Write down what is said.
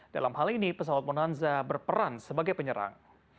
dalam hal ini pesawat monanza berperan sebagai penyerang